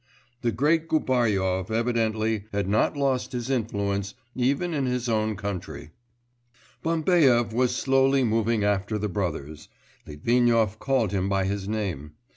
The great Gubaryov, evidently, had not lost his influence even in his own country. Bambaev was slowly moving after the brothers.... Litvinov called him by his name.